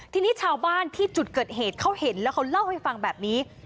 ทีนี้ชาวบ้านที่จุดเกิดเหตุเขาเห็นแล้วเขาเล่าให้ฟังแบบนี้